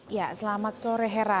ya selamat sore hera